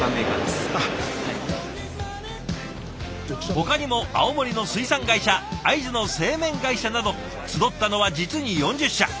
ほかにも青森の水産会社会津の製麺会社など集ったのは実に４０社。